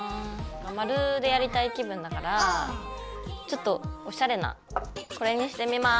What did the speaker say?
マルでやりたい気分だからちょっとおしゃれなこれにしてみます。